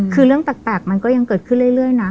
คือเรื่องแปลกมันก็ยังเกิดขึ้นเรื่อยนะ